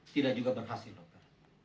tidak juga berhasil dokter